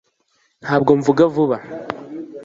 ntabwo mvuga vuba